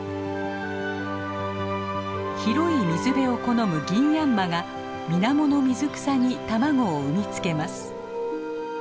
広い水辺を好むギンヤンマがみなもの水草に卵を産み付けます。